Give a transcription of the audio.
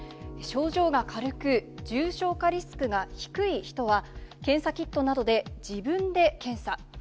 症状が軽く、重症化リスクが低い人は、検査キットなどで自分で検査。